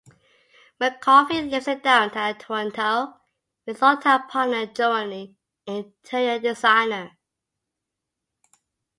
McCaughey lives in downtown Toronto with longtime partner Joanne, an interior designer.